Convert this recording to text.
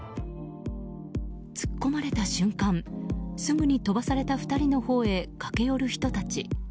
突っ込まれた瞬間すぐに飛ばされた２人のほうへ駆け寄る人たち。